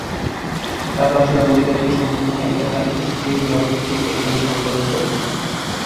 তার রচনাগুলির একটি সম্পূর্ণ তালিকা তার স্ত্রী ডরোথি এখানে সংকলন করেছিলেন।